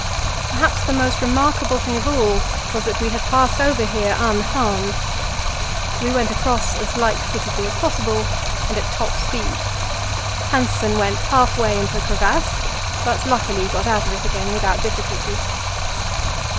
Perhaps the most remarkable thing of all was that we had passed over here unharmed. We went across as light footedly as possible, and at top speed. Hanssen went halfway into a crevasse, but luckily got out of it again without difficulty.